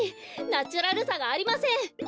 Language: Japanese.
ナチュラルさがありません！